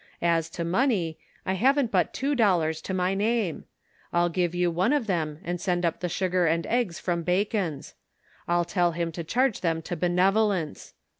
As to money, I haven't but two dollars to my name. I'll give you one of them and send up the sugar and eggs from Bacon's. I'll tell him to charge them to benevolence